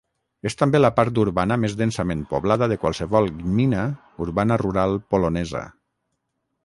És també la part urbana més densament poblada de qualsevol "gmina" urbana-rural polonesa.